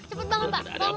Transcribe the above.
cepet bangun pak